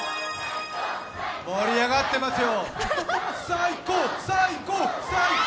盛り上がってますよ。